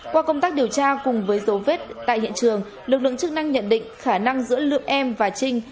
qua công tác điều tra cùng với dấu vết tại hiện trường lực lượng chức năng nhận định khả năng giữa lượng em và trinh